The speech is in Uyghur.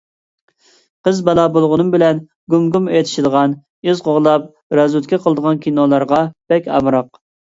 قىز بالا بولغىنىم بىلەن گۇم-گۇم ئېتىشىدىغان، ئىز قوغلاپ رازۋېدكا قىلىدىغان كىنولارغا بەك ئامراق.